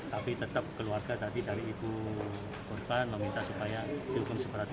tapi tetap keluarga tadi dari ibu korban meminta supaya dihukum seberat itu